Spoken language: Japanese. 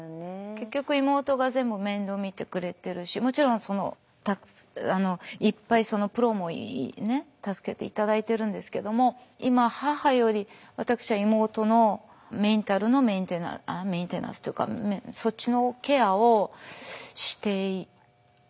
結局妹が全部面倒見てくれてるしもちろんそのいっぱいそのプロも助けて頂いてるんですけども今母より私は妹のメンタルのメンテナンスっていうかそっちのケアをしている気がいたしますね。